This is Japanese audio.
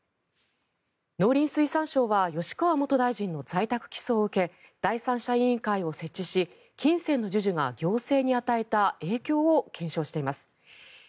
農林水産省は吉川元大臣の在宅起訴を受け第三者委員会を設置し金銭の授受が行政に与えた影響を検証しています。